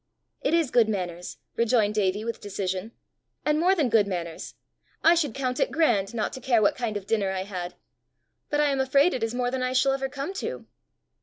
"It is good manners!" rejoined Davie with decision, " and more than good manners! I should count it grand not to care what kind of dinner I had. But I am afraid it is more than I shall ever come to!"